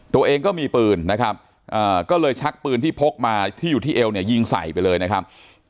ตัวเองก็มีปืนนะครับก็เลยชักปืนที่พกมาที่อยู่ที่เอวเนี่ยยิงใส่ไปเลยนะครับ